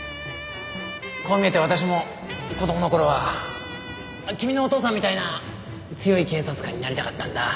こう見えて私も子供の頃は君のお父さんみたいな強い警察官になりたかったんだ。